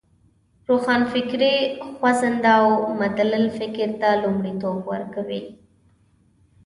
روښانفکري خوځنده او مدلل فکر ته لومړیتوب ورکوی.